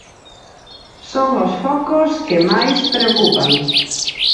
Son os focos que máis preocupan.